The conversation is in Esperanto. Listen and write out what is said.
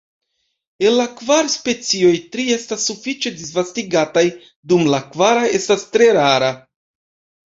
El la kvar specioj, tri estas sufiĉe disvastigataj, dum la kvara estas tre rara.